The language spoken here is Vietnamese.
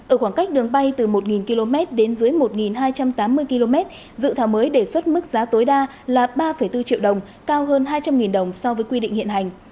ở khoảng cách đường bay từ một km đến dưới một hai trăm tám mươi km dự thảo mới đề xuất mức giá tối đa là ba bốn triệu đồng cao hơn hai trăm linh đồng so với quy định hiện hành